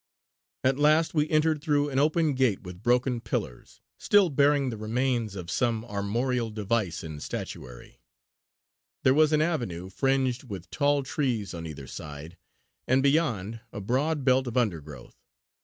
At last we entered through an open gateway with broken pillars, still bearing the remains of some armorial device in statuary. There was an avenue, fringed with tall trees on either side, and beyond a broad belt of undergrowth.